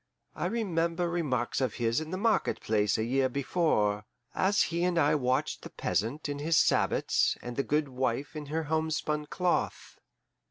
I remember remarks of his in the market place a year before, as he and I watched the peasant in his sabots and the good wife in her homespun cloth.